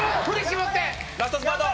ラストスパート！